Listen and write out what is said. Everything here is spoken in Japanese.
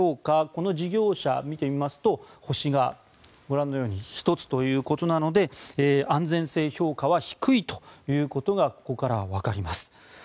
この事業者を見てみますと星がご覧のように１つということなので安全性評価は低いということがここからわかります。